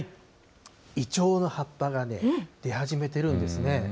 イチョウの葉っぱがね、出始めてるんですね。